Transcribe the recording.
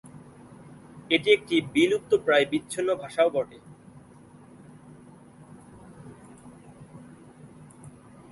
এটি একটি বিলুপ্তপ্রায় বিচ্ছিন্ন ভাষাও বটে।